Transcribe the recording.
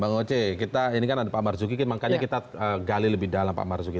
bang oce kita ini kan ada pak marzuki makanya kita gali lebih dalam pak marzuki